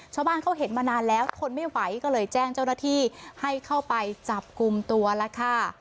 ชาวบ้านเขาเห็นมานานแล้วทนไม่ไหวก็เลยแจ้งเจ้าหน้าที่ให้เข้าไปจับกลุ่มตัวแล้วค่ะ